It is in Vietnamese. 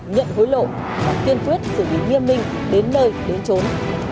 nhận hối lộ và tuyên tuyết xử lý nghiêm minh đến nơi đến trốn